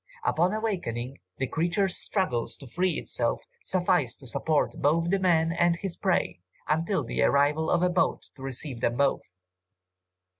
Upon awakening, the creature's struggles to free itself suffice to support both the man and his prey, until the arrival of a boat to receive them both.